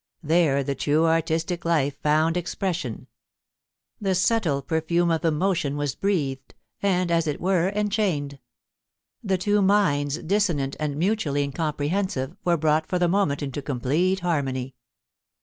There the true artistic life found expression : the subtle perfume of emotion was breathed, and, as it were, enchained : the two minds, dissonant and mutually incomprehensive, were brought for the moment into complete harmony.